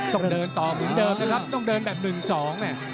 ต้องเดินต่อเหมือนเดิมนะครับต้องเดินแบบ๑๒แม่